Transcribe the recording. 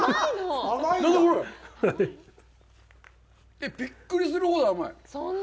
えっ！びっくりするほど甘い！